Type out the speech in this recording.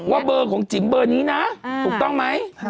ว่าเบอร์ของจิ๋มเบอร์นี้นะถูกต้องไหม